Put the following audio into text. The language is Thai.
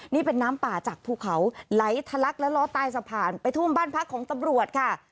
นี่เป็นน้ำป่าจากภูเขาไหลทะลักและล้อใต้สะพานไปท่วมบ้านพักของตำรวจค่ะ